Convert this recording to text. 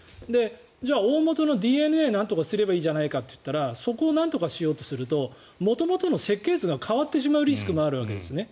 じゃあ、大元のＤＮＡをなんとかすればいいじゃないかというとそこをなんとかしようとすると元々の設計図が変わってしまうリスクがあるわけですね。